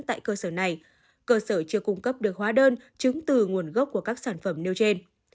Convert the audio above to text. tại cơ sở này cơ sở chưa cung cấp được hóa đơn chứng từ nguồn gốc của các sản phẩm nêu trên